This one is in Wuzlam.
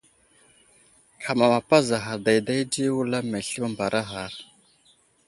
Ham amapazaghar dayday di wulam masli məmbaraghar.